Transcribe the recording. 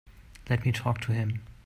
Let me talk to him.